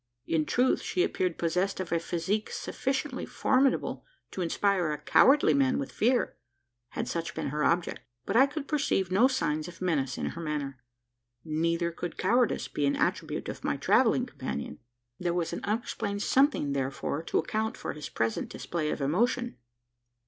In truth, she appeared possessed of a physique sufficiently formidable to inspire a cowardly man with fear had such been her object but I could perceive no signs of menace in her manner. Neither could cowardice be an attribute of my travelling companion. There was an unexplained something, therefore, to account for his present display of emotion.